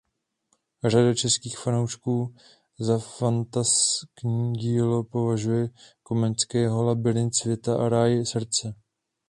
Řada českých fanoušků za fantaskní dílo považuje Komenského "Labyrint světa a ráj srdce".